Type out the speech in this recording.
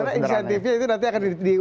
bagaimana insentifnya itu nanti akan kita paham